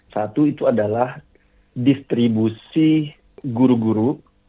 satu itu adalah distribusi guru guru